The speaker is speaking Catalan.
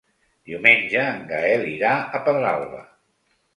Diumenge en Gaël irà a Pedralba.